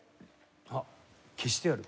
あっ消してある。